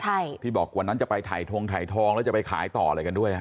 ใช่ที่บอกวันนั้นจะไปถ่ายทงถ่ายทองแล้วจะไปขายต่ออะไรกันด้วยอ่ะ